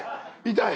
痛い！